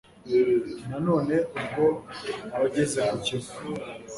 Nanone ubwo wageze ku Kivu